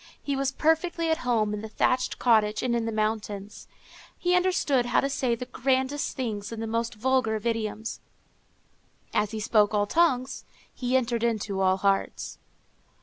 He was perfectly at home in the thatched cottage and in the mountains. He understood how to say the grandest things in the most vulgar of idioms. As he spoke all tongues, he entered into all hearts.